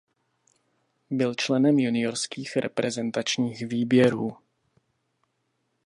Byl členem juniorských reprezentačních výběrů.